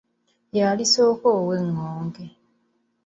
Yali Ssonko ow’engonge.